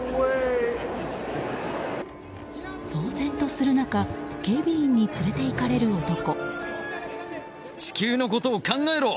騒然とする中警備員に連れていかれる男。